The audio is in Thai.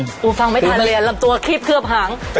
ดูฟังไม่ทันเลยลำตัวคีบเคลือบหาง